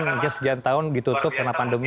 mungkin sudah sejauh tahun ditutup karena pandemi